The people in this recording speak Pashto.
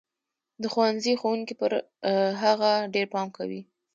د ښوونځي ښوونکي به پر هغه ډېر پام کوي.